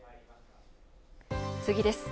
次です。